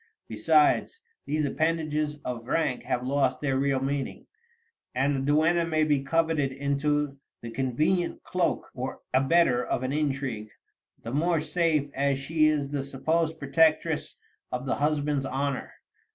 Besides, these appendages of rank have lost their real meaning, and the duenna may be converted into the convenient cloak or abettor of an intrigue, the more safe as she is the supposed protectress of the husband's honor.